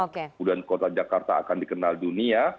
kemudian kota jakarta akan dikenal dunia